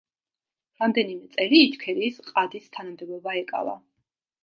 რამდენიმე წელი იჩქერიის ყადის თანამდებობა ეკავა.